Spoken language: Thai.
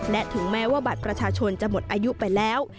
และถึงแม้ว่าบัตรประชาชนจะหมดอายุไปแล้ว